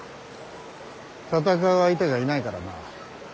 戦う相手がいないからな。